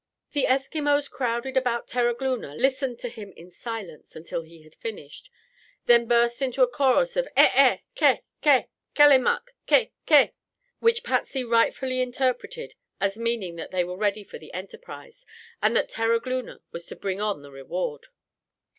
The Eskimos crowded about Terogloona, listened to him in silence until he had finished, then burst into a chorus of "Eh eh! Ke! Ke Kullemuk, Ke Ke," which Patsy rightfully interpreted as meaning that they were ready for the enterprise and that Terogloona was to bring on the reward.